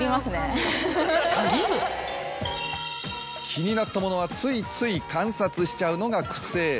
気になったものはついつい観察しちゃうのがクセ。